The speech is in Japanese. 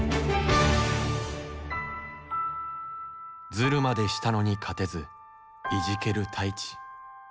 ズルまでしたのにかてずいじける太一。